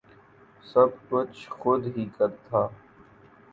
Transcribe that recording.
سب کچھ خود ہی کر تھا